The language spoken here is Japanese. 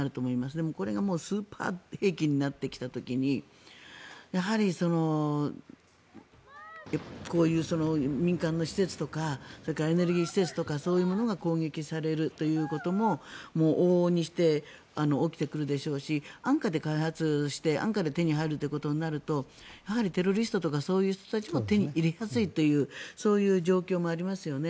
でも、これがスーパー兵器になってきた時にやはり民間の施設とかそれからエネルギー施設とかそういうものが攻撃されるということも往々にして起きてくるでしょうし安価で開発して、安価で手に入るということになるとテロリストとかそういう人たちも手に入れやすいというそういう状況もありますよね。